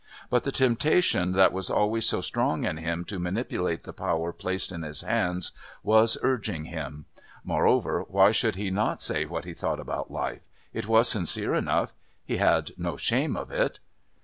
But the temptation that was always so strong in him to manipulate the power placed in his hands was urging him; moreover, why should he not say what he thought about life? It was sincere enough. He had no shame of it....